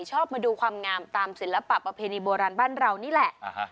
ชอบมาดูความงามตามศิลปะประเพณีโบราณบ้านเรานี่แหละ